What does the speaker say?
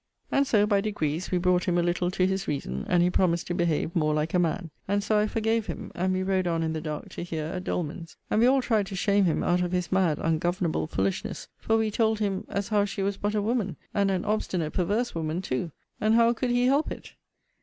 And so, by degrees, we brought him a little to his reason, and he promised to behave more like a man. And so I forgave him: and we rode on in the dark to here at Doleman's. And we all tried to shame him out of his mad, ungovernable foolishness: for we told him, as how she was but a woman, and an obstinate perverse woman too; and how could he help it?